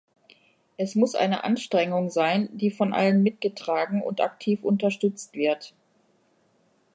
Es muss eine Anstrengung sein, die von allen mitgetragen und aktiv unterstützt wird.